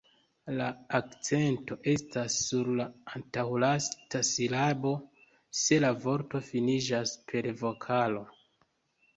La akcento estas sur la antaŭlasta silabo, se la vorto finiĝas per vokalo.